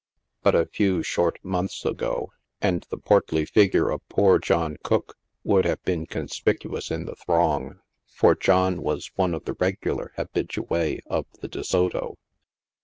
But a few short months ago, and the portly figure of poor John Cooke would have been conspicuous in IIAUNTS OF THE ACTORS. G9 the throng, for John was one of the regular habitues of the Do Soto.